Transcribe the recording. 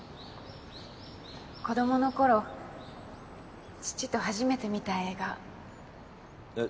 子どもの頃父と初めて見た映画え？